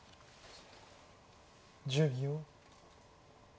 １０秒。